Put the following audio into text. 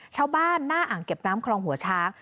ชาวบ้านหน้าอ่างเก็บน้ำคลองหัวช้าง